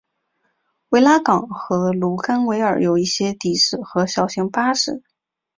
维拉港和卢甘维尔有一些的士和小型巴士。